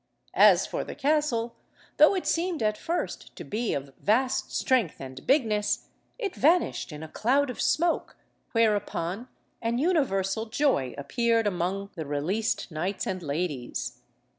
As for the castle, though it seemed at first to be of vast strength and bigness, it vanished in a cloud of smoke, whereupon an universal joy appeared among the released knights and ladies.